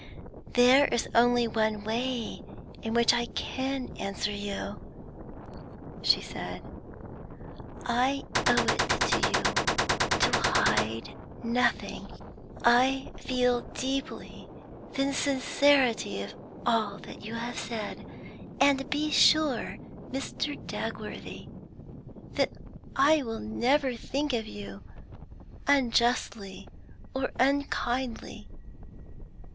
'There is only one way in which I can answer you,' she said; 'I owe it to you to hide nothing. I feel deeply the sincerity of all you have said, and be sure, Mr. Dagworthy, that I will never think of you unjustly or unkindly.